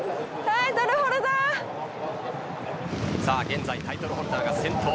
さあ現在タイトルホルダーが先頭。